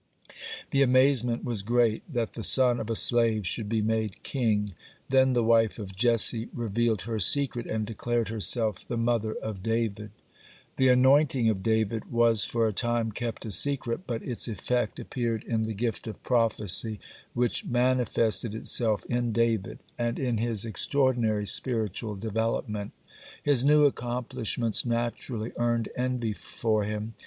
The amazement was great that the son of a slave should be made king. Then the wife of Jesse revealed her secret, and declared herself the mother of David. (23) The anointing of David was for a time kept a secret, but its effect appeared in the gift of prophecy which manifested itself in David, (24) and in his extraordinary spiritual development. His new accomplishments naturally earned envy for him.